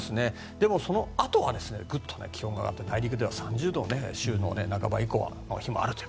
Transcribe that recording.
でも、そのあとはグッと気温が上がって内陸では３０度、週の半ば以降はそういう日もあると。